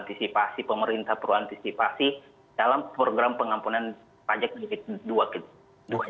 perantisipasi pemerintah perantisipasi dalam program pengampunan pajak jilid kedua ini